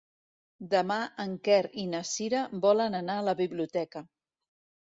Demà en Quer i na Cira volen anar a la biblioteca.